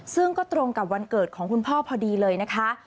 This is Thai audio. ซึ่งก็ตรงกับวันเกิดของคุณพ่อพอดีเลยนะคะ